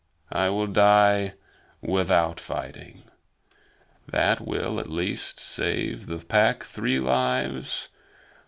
I will die without fighting. That will at least save the Pack three lives.